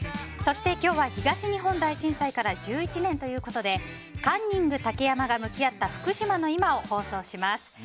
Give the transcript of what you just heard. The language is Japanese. そして今日は東日本大震災から１１年ということで「カンニング竹山が向き合った福島の今」を放送します。